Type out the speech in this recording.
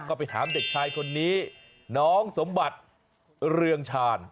ก็ไปถามเด็กชายคนนี้น้องสมบัติเรืองชาญ